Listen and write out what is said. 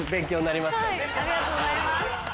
ありがとうございます。